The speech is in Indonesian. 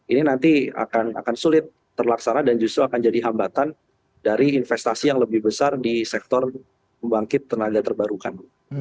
ini nanti akan sulit terlaksana dan justru akan jadi hambatan dari investasi yang lebih besar di sektor pembangkit tenaga terbarukan